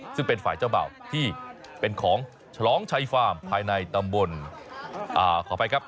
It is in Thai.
ซึ่งเป็นฝ่ายเจ้าเบ่าที่เป็นของฉลองชัยฟาร์มภายในตำบลขออภัยครับ